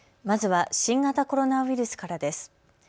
まずは新型コロナウイルスからです。